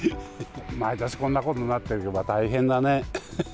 毎年こんなことになっていけば、大変だね。